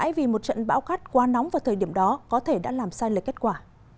vì một trận bão khát quá nóng vào thời điểm đó có thể đã làm sai lệch kết quả